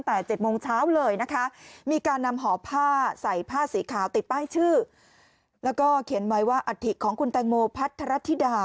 ติดป้ายชื่อแล้วก็เขียนไว้ว่าอาทิตย์ของคุณแตงโมพัทรธิดา